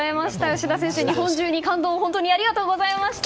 吉田選手、日本中に感動をありがとうございました！